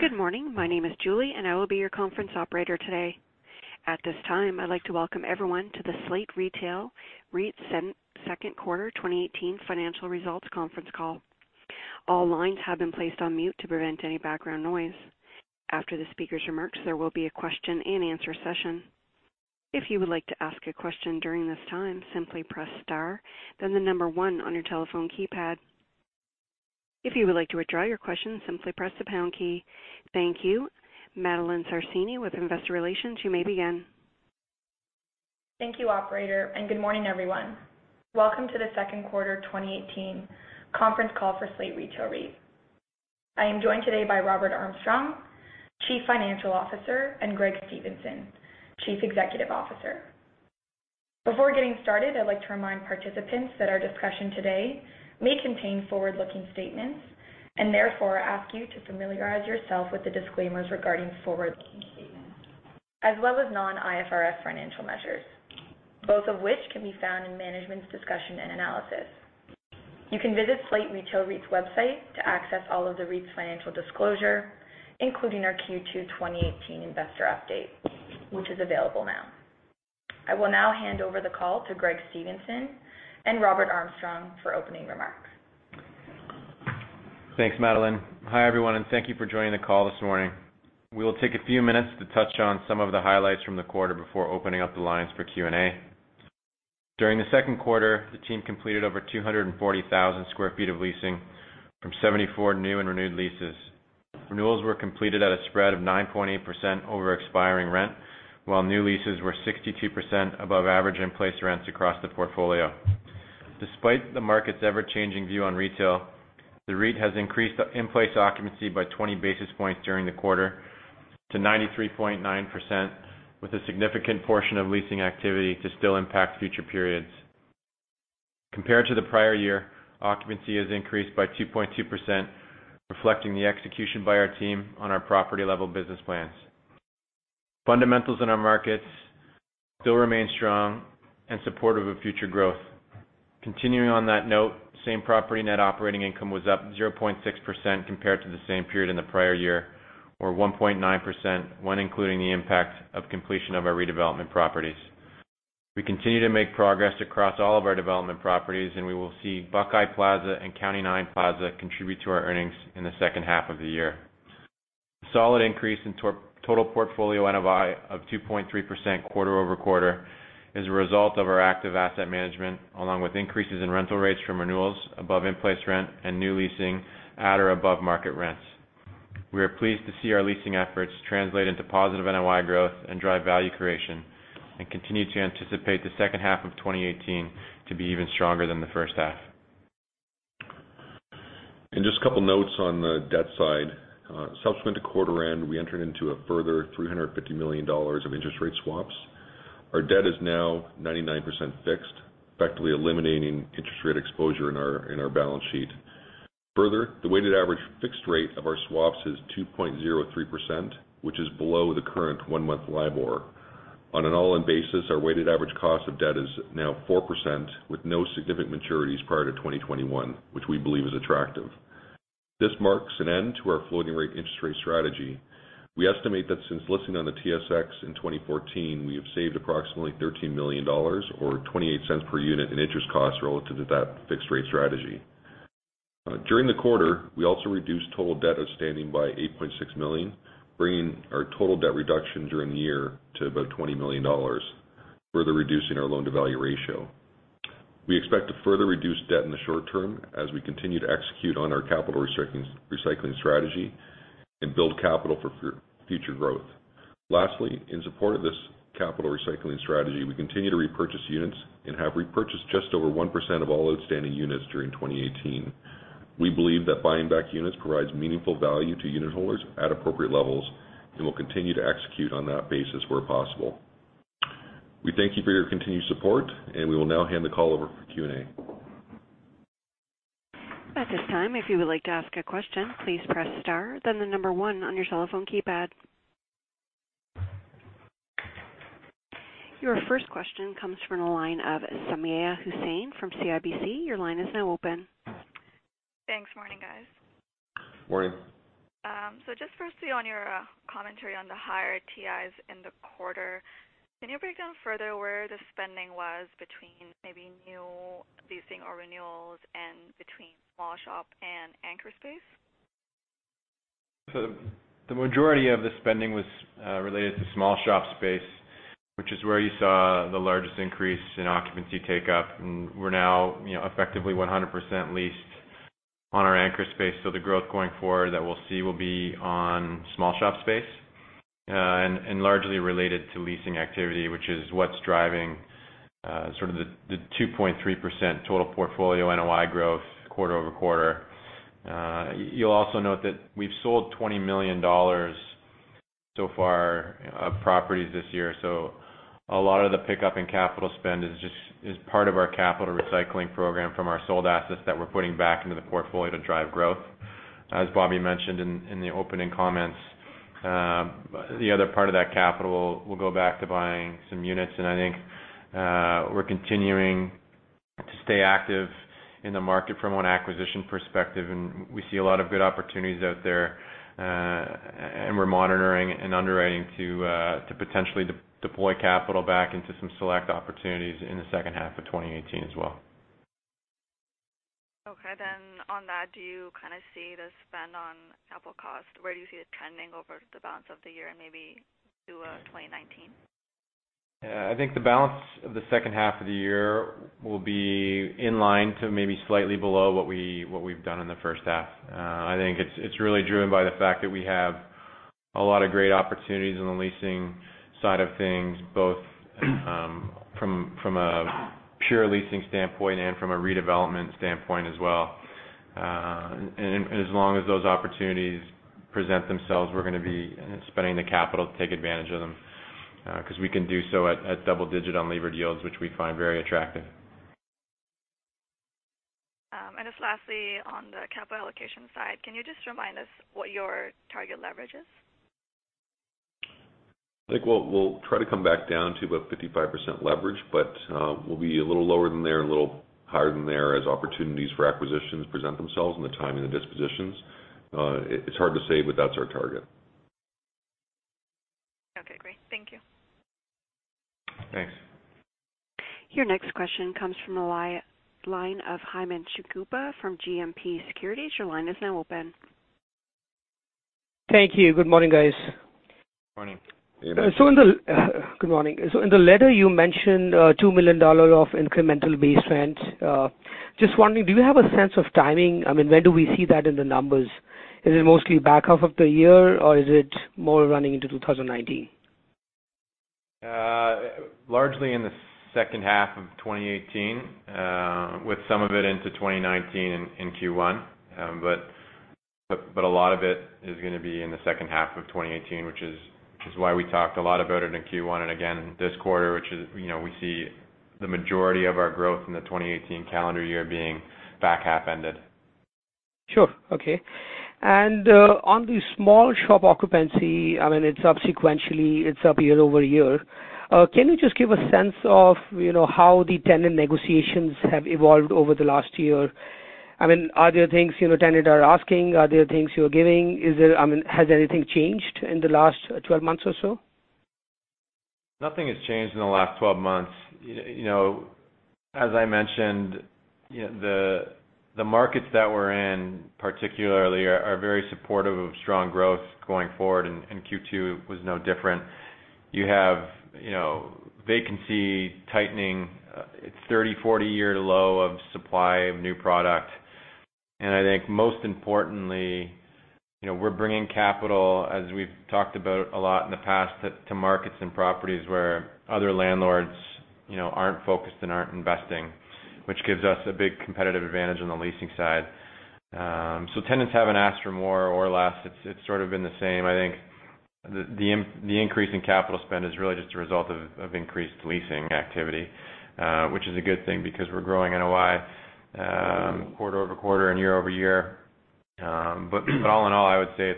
Good morning. My name is Julie, and I will be your conference operator today. At this time, I would like to welcome everyone to the Slate Grocery REIT Second Quarter 2018 financial results conference call. All lines have been placed on mute to prevent any background noise. After the speakers' remarks, there will be a question and answer session. If you would like to ask a question during this time, simply press star, then the number 1 on your telephone keypad. If you would like to withdraw your question, simply press the pound key. Thank you. Madeline Sarracini with Investor Relations, you may begin. Thank you, operator, and good morning, everyone. Welcome to the second quarter 2018 conference call for Slate Grocery REIT. I am joined today by Robert Armstrong, Chief Financial Officer, and Greg Stevenson, Chief Executive Officer. Before getting started, I would like to remind participants that our discussion today may contain forward-looking statements, and therefore ask you to familiarize yourself with the disclaimers regarding forward-looking statements, as well as non-IFRS financial measures, both of which can be found in management's discussion and analysis. You can visit Slate Grocery REIT's website to access all of the REIT's financial disclosure, including our Q2 2018 investor update, which is available now. I will now hand over the call to Greg Stevenson and Robert Armstrong for opening remarks. Thanks, Madeline. Hi, everyone, and thank you for joining the call this morning. We will take a few minutes to touch on some of the highlights from the quarter before opening up the lines for Q&A. During the second quarter, the team completed over 240,000 square feet of leasing from 74 new and renewed leases. Renewals were completed at a spread of 9.8% over expiring rent, while new leases were 62% above average in-place rents across the portfolio. Despite the market's ever-changing view on retail, the REIT has increased in-place occupancy by 20 basis points during the quarter to 93.9%, with a significant portion of leasing activity to still impact future periods. Compared to the prior year, occupancy has increased by 2.2%, reflecting the execution by our team on our property-level business plans. Fundamentals in our markets still remain strong in support of future growth. Continuing on that note, same-property net operating income was up 0.6% compared to the same period in the prior year, or 1.9% when including the impact of completion of our redevelopment properties. We continue to make progress across all of our development properties, and we will see Buckeye Plaza and County Line Plaza contribute to our earnings in the second half of the year. A solid increase in total portfolio NOI of 2.3% quarter-over-quarter is a result of our active asset management, along with increases in rental rates from renewals above in-place rent and new leasing at or above market rents. We are pleased to see our leasing efforts translate into positive NOI growth and drive value creation and continue to anticipate the second half of 2018 to be even stronger than the first half. Just a couple notes on the debt side. Subsequent to quarter end, we entered into a further $350 million of interest rate swaps. Our debt is now 99% fixed, effectively eliminating interest rate exposure in our balance sheet. The weighted average fixed rate of our swaps is 2.03%, which is below the current one-month LIBOR. On an all-in basis, our weighted average cost of debt is now 4% with no significant maturities prior to 2021, which we believe is attractive. This marks an end to our floating rate interest rate strategy. We estimate that since listing on the TSX in 2014, we have saved approximately $13 million, or $0.28 per unit in interest costs relative to that fixed rate strategy. During the quarter, we also reduced total debt outstanding by $8.6 million, bringing our total debt reduction during the year to about $20 million, further reducing our loan-to-value ratio. We expect to further reduce debt in the short term as we continue to execute on our capital recycling strategy and build capital for future growth. Lastly, in support of this capital recycling strategy, we continue to repurchase units and have repurchased just over 1% of all outstanding units during 2018. We believe that buying back units provides meaningful value to unitholders at appropriate levels and will continue to execute on that basis where possible. We thank you for your continued support. We will now hand the call over for Q&A. At this time, if you would like to ask a question, please press star, then the number 1 on your telephone keypad. Your first question comes from the line of Sumayya Syed from CIBC. Your line is now open. Thanks. Morning, guys. Morning. just firstly on your commentary on the higher TIs in the quarter, can you break down further where the spending was between maybe new leasing or renewals and between small shop and anchor space? the majority of the spending was related to small shop space, which is where you saw the largest increase in occupancy take up, and we're now effectively 100% leased on our anchor space. the growth going forward that we'll see will be on small shop space, and largely related to leasing activity, which is what's driving sort of the 2.3% total portfolio NOI growth quarter-over-quarter. You'll also note that we've sold $20 million so far of properties this year. a lot of the pickup in capital spend is part of our capital recycling program from our sold assets that we're putting back into the portfolio to drive growth. As Bobby mentioned in the opening comments, the other part of that capital will go back to buying some units. I think we're continuing to stay active in the market from an acquisition perspective, and we see a lot of good opportunities out there, and we're monitoring and underwriting to potentially deploy capital back into some select opportunities in the second half of 2018 as well. Okay. on that, do you see the spend on capital cost, where do you see it trending over the balance of the year and maybe to 2019? I think the balance of the second half of the year will be in line to maybe slightly below what we've done in the first half. I think it's really driven by the fact that we have a lot of great opportunities on the leasing side of things, both from a pure leasing standpoint and from a redevelopment standpoint as well. As long as those opportunities present themselves, we're going to be spending the capital to take advantage of them, because we can do so at double-digit unlevered yields, which we find very attractive. Just lastly, on the capital allocation side, can you just remind us what your target leverage is? I think we'll try to come back down to about 55% leverage, but we'll be a little lower than there and a little higher than there as opportunities for acquisitions present themselves and the timing of dispositions. It's hard to say, but that's our target. Okay, great. Thank you. Thanks. Your next question comes from the line of Himanshu Gupta from GMP Securities. Your line is now open. Thank you. Good morning, guys. Morning. Good morning. Good morning. In the letter you mentioned $2 million of incremental base rent. Just wondering, do you have a sense of timing? When do we see that in the numbers? Is it mostly back half of the year or is it more running into 2019? Largely in the second half of 2018, with some of it into 2019 in Q1. A lot of it is going to be in the second half of 2018, which is why we talked a lot about it in Q1 and again this quarter, which we see the majority of our growth in the 2018 calendar year being back half ended. Sure. Okay. On the small shop occupancy, it's up sequentially, it's up year-over-year. Can you just give a sense of how the tenant negotiations have evolved over the last year? Are there things tenants are asking? Are there things you're giving? Has anything changed in the last 12 months or so? Nothing has changed in the last 12 months. As I mentioned, the markets that we're in particularly are very supportive of strong growth going forward, Q2 was no different. You have vacancy tightening. It's 30, 40 year low of supply of new product. I think most importantly, we're bringing capital, as we've talked about a lot in the past, to markets and properties where other landlords aren't focused and aren't investing, which gives us a big competitive advantage on the leasing side. Tenants haven't asked for more or less. It's sort of been the same. I think the increase in capital spend is really just a result of increased leasing activity, which is a good thing because we're growing NOI quarter-over-quarter and year-over-year. All in all, I would say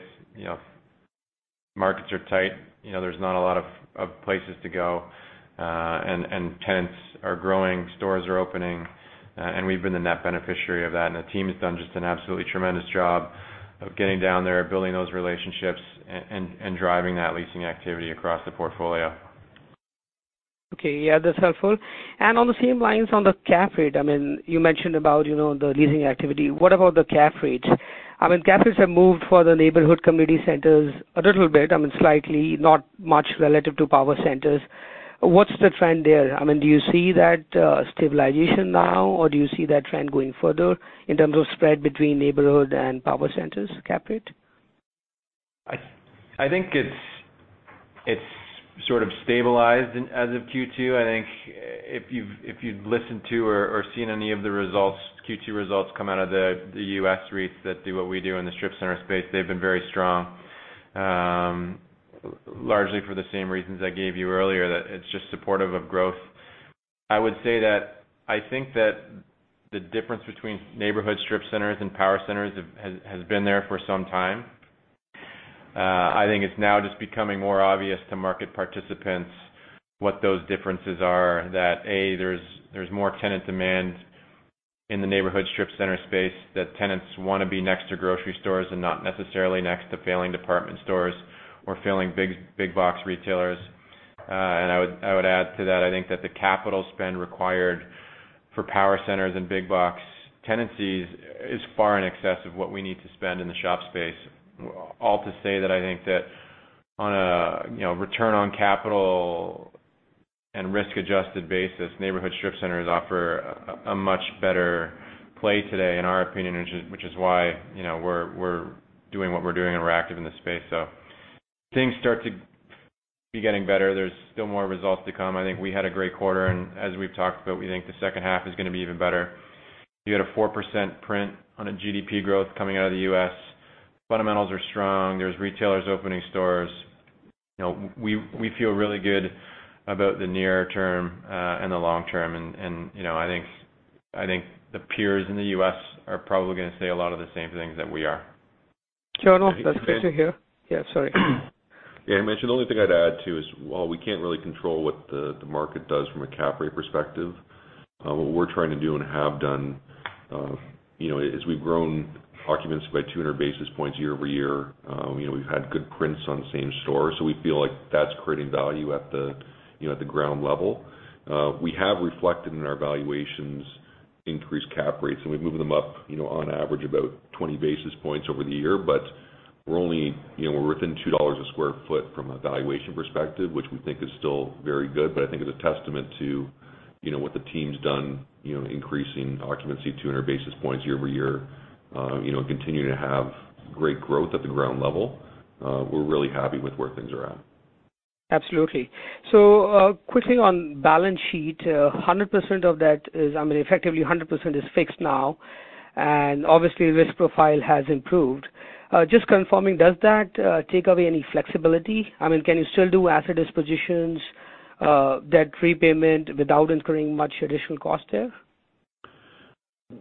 markets are tight. There's not a lot of places to go. Tenants are growing, stores are opening, and we've been the net beneficiary of that. The team has done just an absolutely tremendous job of getting down there, building those relationships and driving that leasing activity across the portfolio. Okay. Yeah, that's helpful. On the same lines on the cap rate, you mentioned about the leasing activity. What about the cap rates? Cap rates have moved for the neighborhood community centers a little bit, slightly, not much relative to power centers. What's the trend there? Do you see that stabilization now, or do you see that trend going further in terms of spread between neighborhood and power centers cap rate? I think it's sort of stabilized as of Q2. I think if you've listened to or seen any of the Q2 results come out of the U.S. REITs that do what we do in the strip center space, they've been very strong. Largely for the same reasons I gave you earlier, that it's just supportive of growth. I would say that I think that the difference between neighborhood strip centers and power centers has been there for some time. I think it's now just becoming more obvious to market participants what those differences are. There's more tenant demand in the neighborhood strip center space, that tenants want to be next to grocery stores and not necessarily next to failing department stores or failing big box retailers. I would add to that, I think that the capital spend required for power centers and big box tenancies is far in excess of what we need to spend in the shop space. All to say that I think that on a return on capital and risk-adjusted basis, neighborhood strip centers offer a much better play today, in our opinion, which is why we're doing what we're doing and we're active in this space. Things start to be getting better. There's still more results to come. I think we had a great quarter, and as we've talked about, we think the second half is going to be even better. You had a 4% print on a GDP growth coming out of the U.S. Fundamentals are strong. There's retailers opening stores. We feel really good about the near term, and the long term, and I think the peers in the U.S. are probably going to say a lot of the same things that we are. Greg, that's great to hear. Yeah, sorry. Yeah. I mentioned the only thing I'd add, too, is while we can't really control what the market does from a cap rate perspective, what we're trying to do and have done, is we've grown occupancy by 200 basis points year-over-year. We've had good prints on same store. We feel like that's creating value at the ground level. We have reflected in our valuations increased cap rates, and we've moved them up on average about 20 basis points over the year. We're within $2 a square foot from a valuation perspective, which we think is still very good. I think it's a testament to what the team's done, increasing occupancy 200 basis points year-over-year. Continuing to have great growth at the ground level. We're really happy with where things are at. Absolutely. Quickly on balance sheet, effectively 100% is fixed now, obviously risk profile has improved. Just confirming, does that take away any flexibility? Can you still do asset dispositions, debt repayment, without incurring much additional cost there?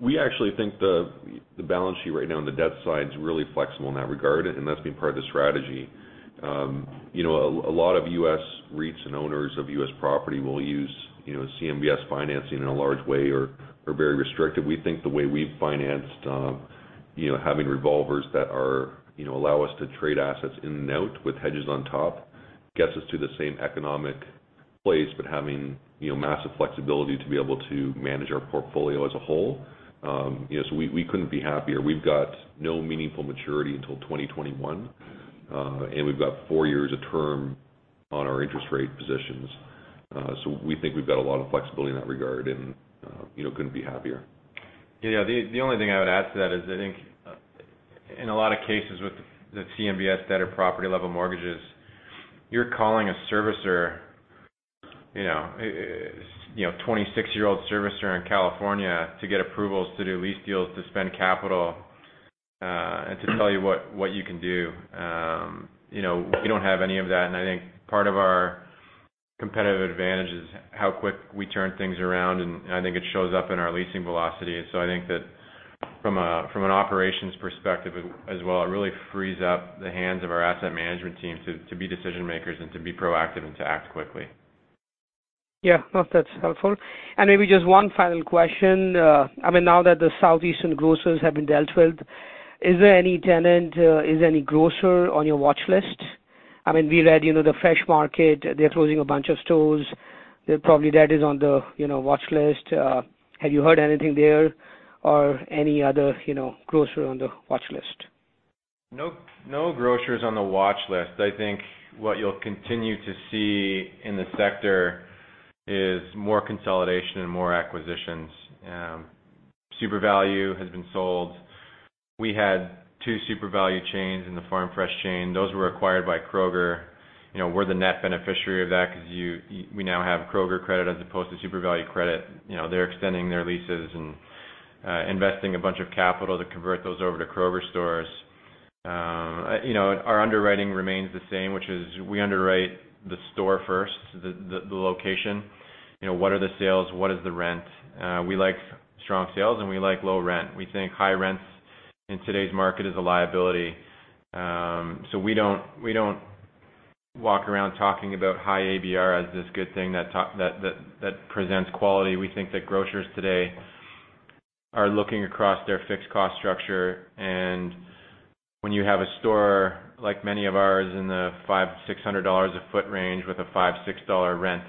We actually think the balance sheet right now on the debt side is really flexible in that regard, that's been part of the strategy. A lot of U.S. REITs and owners of U.S. property will use CMBS financing in a large way or are very restrictive. We think the way we've financed, having revolvers that allow us to trade assets in and out with hedges on top, gets us to the same economic place, having massive flexibility to be able to manage our portfolio as a whole. We couldn't be happier. We've got no meaningful maturity until 2021. We've got four years of term on our interest rate positions. We think we've got a lot of flexibility in that regard and couldn't be happier. Yeah. The only thing I would add to that is, I think, in a lot of cases with the CMBS debt or property level mortgages, you're calling a servicer, a 26-year-old servicer in California to get approvals to do lease deals, to spend capital, and to tell you what you can do. We don't have any of that, and I think part of our competitive advantage is how quick we turn things around, and I think it shows up in our leasing velocity. I think that from an operations perspective as well, it really frees up the hands of our asset management team to be decision makers and to be proactive and to act quickly. Yeah. No, that's helpful. Maybe just one final question. Now that the Southeastern Grocers have been dealt with, is there any tenant, is there any grocer on your watch list? We read The Fresh Market, they're closing a bunch of stores. That is on the watch list. Have you heard anything there or any other grocer on the watch list? No grocers on the watch list. I think what you'll continue to see in the sector is more consolidation and more acquisitions. Supervalu has been sold. We had two Supervalu chains and the Farm Fresh chain. Those were acquired by Kroger. We're the net beneficiary of that because we now have Kroger credit as opposed to Supervalu credit. They're extending their leases and investing a bunch of capital to convert those over to Kroger stores. Our underwriting remains the same, which is we underwrite the store first, the location. What are the sales? What is the rent? We like strong sales, and we like low rent. We think high rents in today's market is a liability. We don't walk around talking about high ABR as this good thing that presents quality. We think that grocers today are looking across their fixed cost structure, and when you have a store, like many of ours, in the $500-$600 a foot range with a $5-$6 rent,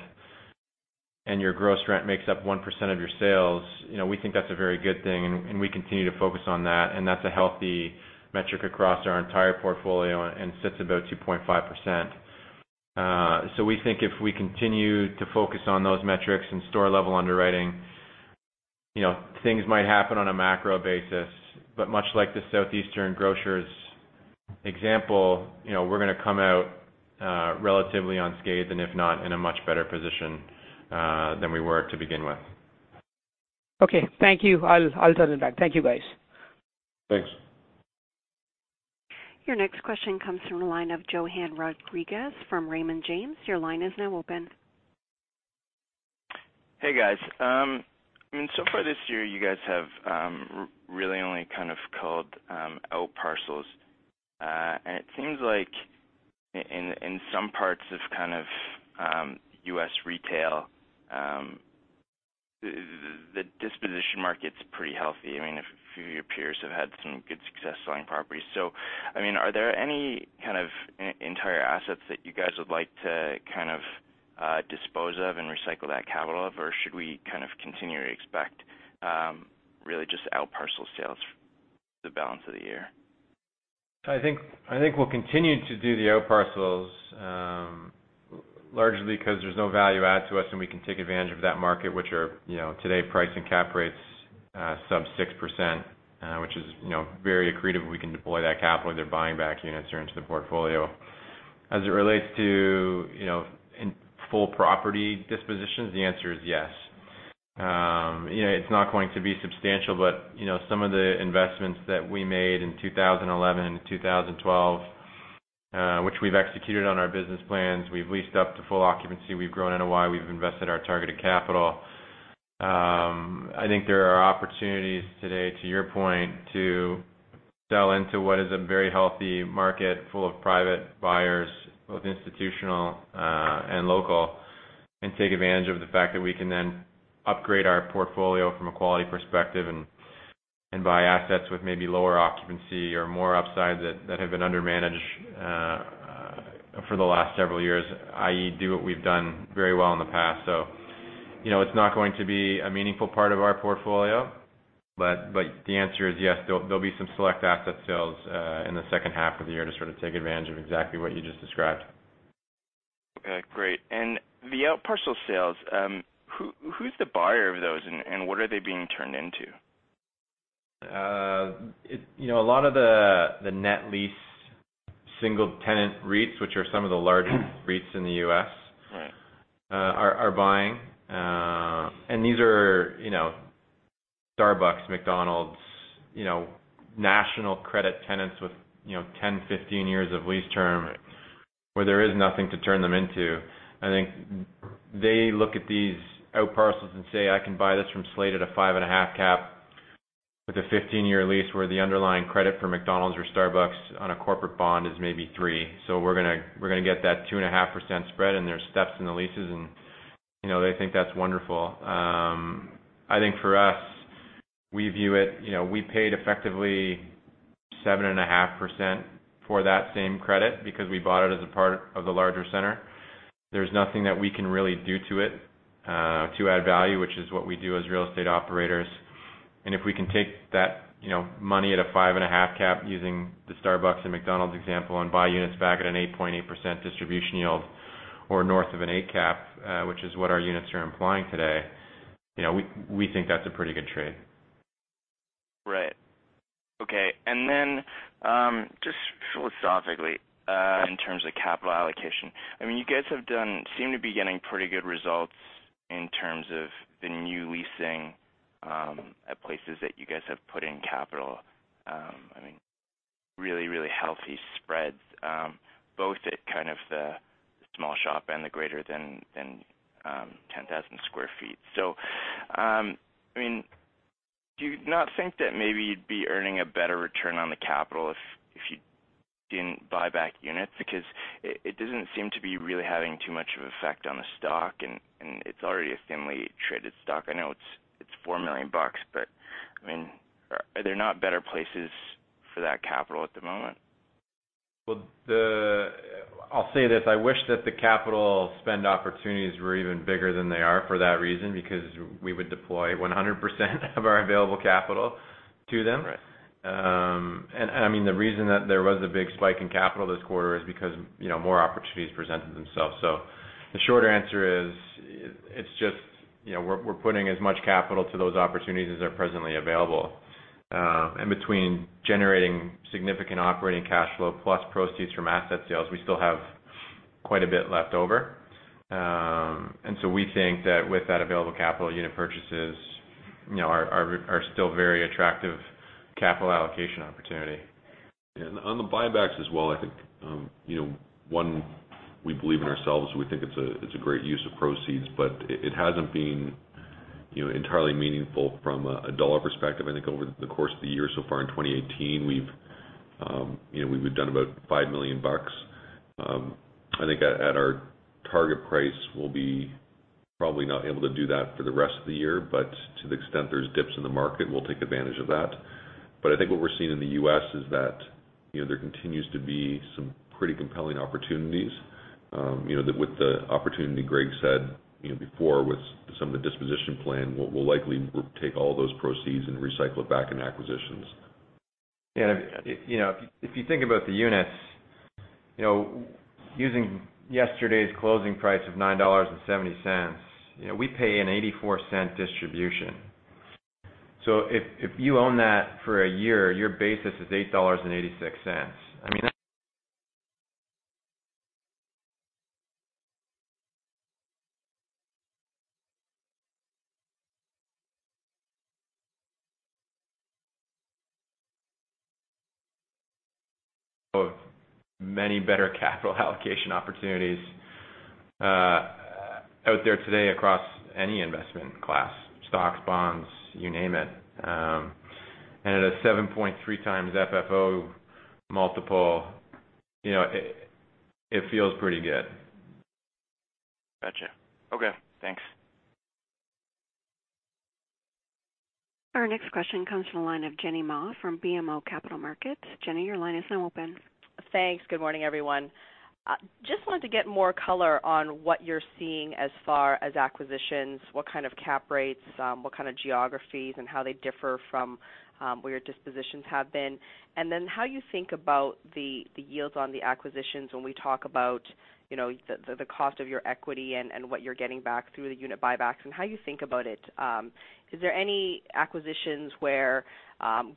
and your gross rent makes up 1% of your sales, we think that's a very good thing, and we continue to focus on that. That's a healthy metric across our entire portfolio and sits about 2.5%. We think if we continue to focus on those metrics and store-level underwriting, things might happen on a macro basis. Much like the Southeastern Grocers example, we're going to come out relatively unscathed, and if not, in a much better position than we were to begin with. Okay. Thank you. I'll turn it back. Thank you, guys. Thanks. Your next question comes from the line of Johann Rodrigues from Raymond James. Your line is now open. Far this year, you guys have really only kind of culled out parcels. It seems like in some parts of kind of U.S. retail, the disposition market's pretty healthy. A few of your peers have had some good success selling properties. Are there any kind of entire assets that you guys would like to kind of dispose of and recycle that capital of, or should we kind of continue to expect really just out parcel sales for the balance of the year? I think we'll continue to do the out parcels, largely because there's no value add to us, and we can take advantage of that market, which are today pricing cap rates sub 6%, which is very accretive. We can deploy that capital into buying back units or into the portfolio. As it relates to full property dispositions, the answer is yes. It's not going to be substantial, but some of the investments that we made in 2011 and 2012. Which we've executed on our business plans. We've leased up to full occupancy. We've grown NOI. We've invested our targeted capital. I think there are opportunities today, to your point, to sell into what is a very healthy market full of private buyers, both institutional and local, and take advantage of the fact that we can then upgrade our portfolio from a quality perspective and buy assets with maybe lower occupancy or more upside that have been under-managed for the last several years, i.e., do what we have done very well in the past. It is not going to be a meaningful part of our portfolio, but the answer is yes, there will be some select asset sales in the second half of the year to sort of take advantage of exactly what you just described. Okay, great. The out parcel sales, who is the buyer of those and what are they being turned into? A lot of the net lease single tenant REITs, which are some of the largest REITs in the U.S.- Right are buying. These are Starbucks, McDonald's, national credit tenants with 10, 15 years of lease term where there is nothing to turn them into. I think they look at these out parcels and say, "I can buy this from Slate at a five and a half cap with a 15-year lease where the underlying credit for McDonald's or Starbucks on a corporate bond is maybe three. We are going to get that 2.5% spread," and there is steps in the leases, and they think that is wonderful. I think for us, we view it, we paid effectively 7.5% for that same credit because we bought it as a part of the larger center. There is nothing that we can really do to it to add value, which is what we do as real estate operators. If we can take that money at a 5.5 cap using the Starbucks and McDonald's example and buy units back at an 8.8% distribution yield or north of an 8 cap, which is what our units are implying today, we think that's a pretty good trade. Right. Okay. Just philosophically, in terms of capital allocation, you guys seem to be getting pretty good results in terms of the new leasing at places that you guys have put in capital. Really healthy spreads, both at kind of the small shop and the greater than 10,000 sq ft. Do you not think that maybe you'd be earning a better return on the capital if you didn't buy back units? Because it doesn't seem to be really having too much of effect on the stock, and it's already a thinly traded stock. I know it's $4 million, but are there not better places for that capital at the moment? Well, I'll say this. I wish that the capital spend opportunities were even bigger than they are for that reason, because we would deploy 100% of our available capital to them. Right. The reason that there was a big spike in capital this quarter is because more opportunities presented themselves. The shorter answer is, we're putting as much capital to those opportunities as are presently available. Between generating significant operating cash flow plus proceeds from asset sales, we still have quite a bit left over. We think that with that available capital, unit purchases are still very attractive capital allocation opportunity. On the buybacks as well, I think, one, we believe in ourselves. We think it's a great use of proceeds, it hasn't been entirely meaningful from a dollar perspective. I think over the course of the year so far in 2018, we've done about $5 million. I think at our target price, we'll probably not be able to do that for the rest of the year, but to the extent there are dips in the market, we'll take advantage of that. I think what we're seeing in the U.S. is that there continues to be some pretty compelling opportunities. With the opportunity Greg said before, with some of the disposition plan, we'll likely take all those proceeds and recycle it back into acquisitions. Yeah. If you think about the units, using yesterday's closing price of $9.70, we pay a $0.84 distribution. If you own that for a year, your basis is $8.86. I mean, that's many better capital allocation opportunities out there today across any investment class, stocks, bonds, you name it. At a 7.3x FFO multiple, it feels pretty good. Gotcha. Okay, thanks. Our next question comes from the line of Jenny Ma from BMO Capital Markets. Jenny, your line is now open. Thanks. Good morning, everyone. Just wanted to get more color on what you're seeing as far as acquisitions, what kind of cap rates, what kind of geographies, and how they differ from where your dispositions have been. How you think about the yields on the acquisitions when we talk about the cost of your equity and what you're getting back through the unit buybacks and how you think about it. Is there any acquisitions where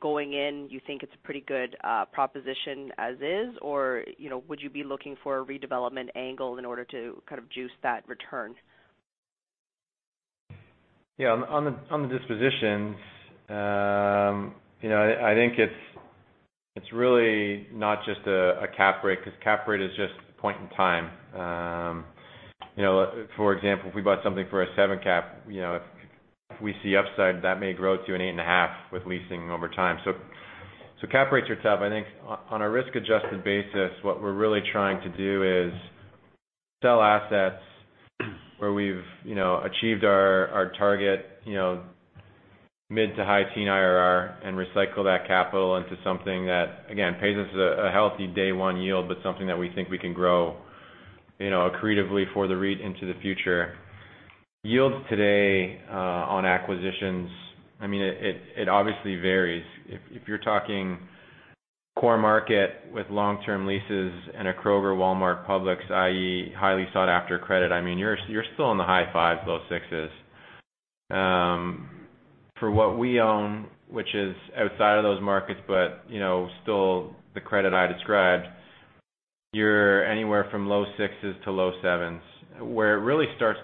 going in you think it's a pretty good proposition as is, or would you be looking for a redevelopment angle in order to kind of juice that return? Yeah. On the dispositions, I think it's really not just a cap rate, because cap rate is just a point in time. For example, if we bought something for a 7 cap, if we see upside, that may grow to an 8.5 with leasing over time. Cap rates are tough. I think on a risk-adjusted basis, what we're really trying to do is sell assets where we've achieved our target mid to high teen IRR and recycle that capital into something that, again, pays us a healthy day one yield, but something that we think we can grow accretively for the REIT into the future. Yields today on acquisitions, it obviously varies. If you're talking core market with long-term leases in a Kroger, Walmart, Publix, i.e., highly sought-after credit, you're still in the high 5s, low 6s. For what we own, which is outside of those markets, but still the credit I described, you're anywhere from low 6s to low 7s. Where it really starts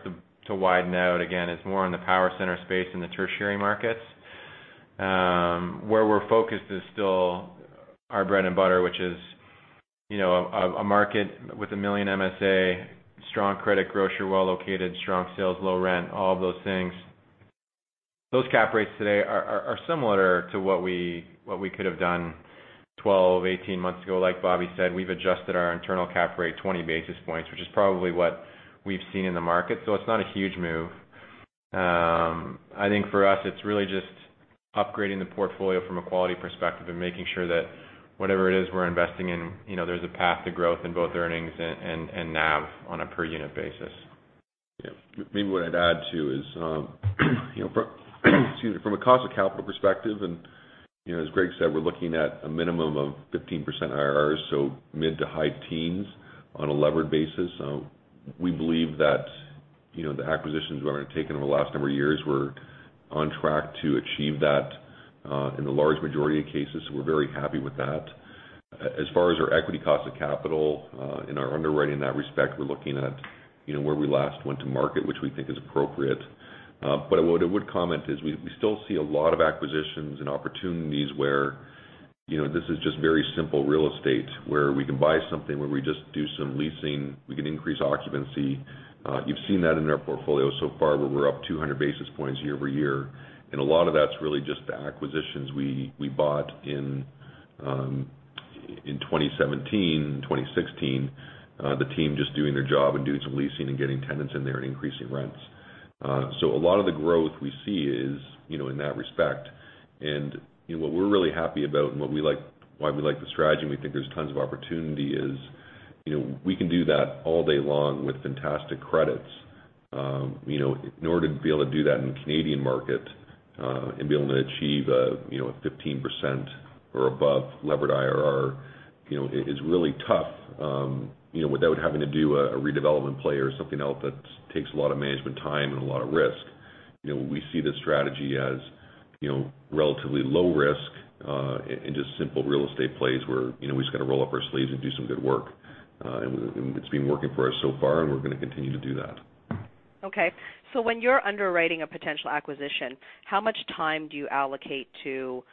to widen out again is more in the power center space in the tertiary markets. Where we're focused is still our bread and butter, which is a market with a 1 million MSA, strong credit grocer, well located, strong sales, low rent, all of those things. Those cap rates today are similar to what we could have done 12, 18 months ago. Like Bobby said, we've adjusted our internal cap rate 20 basis points, which is probably what we've seen in the market. It's not a huge move. I think for us, it's really just upgrading the portfolio from a quality perspective and making sure that whatever it is we're investing in, there's a path to growth in both earnings and NAV on a per unit basis. Yeah. Maybe what I'd add, too, is excuse me, from a cost of capital perspective, as Greg said, we're looking at a minimum of 15% IRRs, so mid to high teens on a levered basis. We believe that the acquisitions we've taken over the last number of years, we're on track to achieve that in the large majority of cases. We're very happy with that. As far as our equity cost of capital in our underwriting in that respect, we're looking at where we last went to market, which we think is appropriate. What I would comment is we still see a lot of acquisitions and opportunities where this is just very simple real estate, where we can buy something, where we just do some leasing. We can increase occupancy. You've seen that in our portfolio so far, where we're up 200 basis points year-over-year, and a lot of that's really just the acquisitions we bought in 2017 and 2016. The team just doing their job and doing some leasing and getting tenants in there and increasing rents. A lot of the growth we see is in that respect. What we're really happy about and why we like the strategy, and we think there's tons of opportunity is we can do that all day long with fantastic credits. In order to be able to do that in the Canadian market, and be able to achieve a 15% or above levered IRR, is really tough without having to do a redevelopment play or something else that takes a lot of management time and a lot of risk. We see this strategy as relatively low risk, and just simple real estate plays where we just got to roll up our sleeves and do some good work. It's been working for us so far, and we're going to continue to do that. Okay. When you're underwriting a potential acquisition, how much time do you allocate to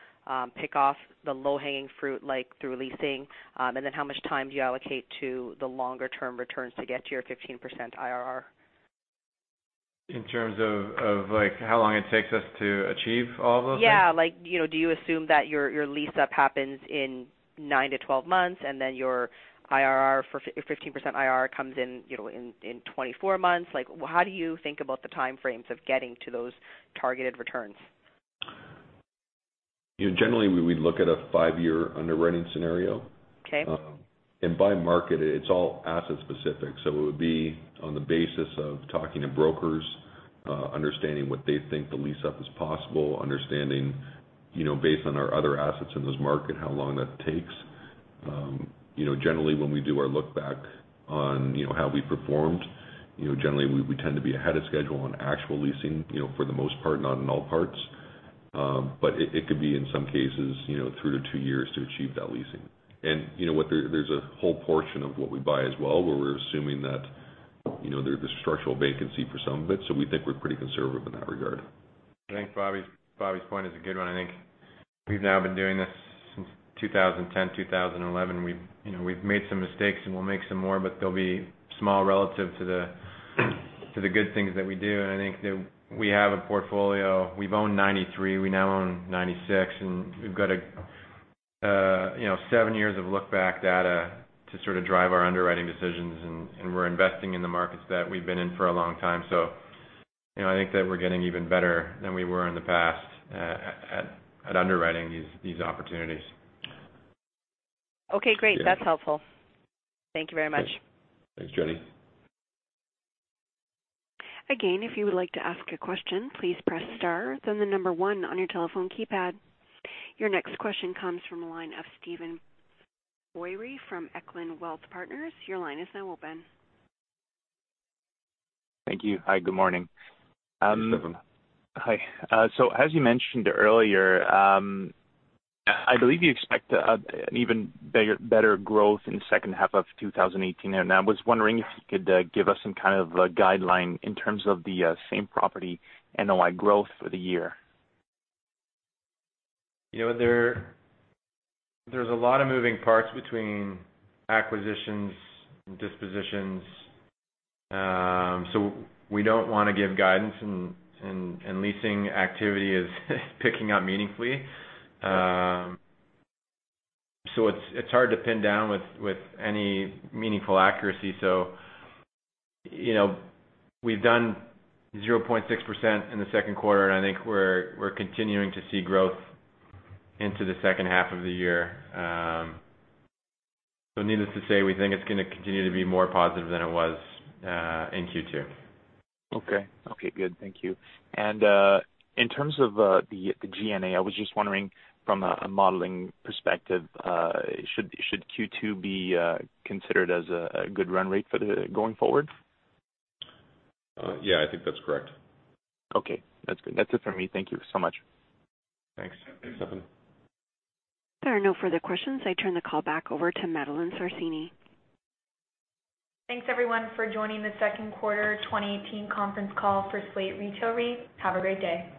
pick off the low-hanging fruit, like through leasing? How much time do you allocate to the longer-term returns to get to your 15% IRR? In terms of how long it takes us to achieve all of those things? Yeah. Do you assume that your lease-up happens in nine to 12 months, and then your 15% IRR comes in 24 months? How do you think about the time frames of getting to those targeted returns? Generally, we look at a five-year underwriting scenario. Okay. By market, it's all asset specific. It would be on the basis of talking to brokers, understanding what they think the lease-up is possible, understanding based on our other assets in this market, how long that takes. Generally, when we do our look back on how we performed, generally, we tend to be ahead of schedule on actual leasing, for the most part, not in all parts. It could be, in some cases, three to two years to achieve that leasing. There's a whole portion of what we buy as well, where we're assuming that there's structural vacancy for some of it. We think we're pretty conservative in that regard. I think Bobby's point is a good one. I think we've now been doing this since 2010, 2011. We've made some mistakes and we'll make some more, but they'll be small relative to the good things that we do. I think that we have a portfolio. We've owned 93, we now own 96, and we've got seven years of look-back data to sort of drive our underwriting decisions, and we're investing in the markets that we've been in for a long time. I think that we're getting even better than we were in the past at underwriting these opportunities. Okay, great. That's helpful. Thank you very much. Thanks, Jenny. Again, if you would like to ask a question, please press star, then the number one on your telephone keypad. Your next question comes from the line of Steven Boyry from Echelon Wealth Partners. Your line is now open. Thank you. Hi, good morning. Hey, Steven. Hi. As you mentioned earlier, I believe you expect an even better growth in the second half of 2018, and I was wondering if you could give us some kind of guideline in terms of the same property NOI growth for the year. There's a lot of moving parts between acquisitions and dispositions. We don't want to give guidance, and leasing activity is picking up meaningfully. It's hard to pin down with any meaningful accuracy. We've done 0.6% in the second quarter, and I think we're continuing to see growth into the second half of the year. Needless to say, we think it's going to continue to be more positive than it was in Q2. Okay, good. Thank you. In terms of the G&A, I was just wondering from a modeling perspective, should Q2 be considered as a good run rate going forward? Yeah, I think that's correct. Okay, that's good. That's it for me. Thank you so much. Thanks. Thanks, Steven. There are no further questions. I turn the call back over to Madeline Sarracini. Thanks, everyone, for joining the second quarter 2018 conference call for Slate Grocery REIT. Have a great day.